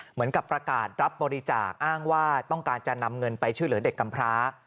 เหมือนกับประกาศรับบริจาคอ้างว่าต้องการจะนำเงินไปช่วยเหลือเด็กกำพร้า